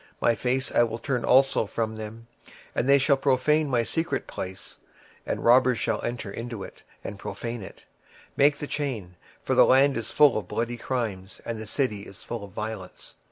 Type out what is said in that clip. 26:007:022 My face will I turn also from them, and they shall pollute my secret place: for the robbers shall enter into it, and defile it. 26:007:023 Make a chain: for the land is full of bloody crimes, and the city is full of violence.